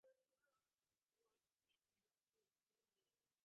রোমে এলবার্টার সঙ্গে নিশ্চয়ই দেখা করব।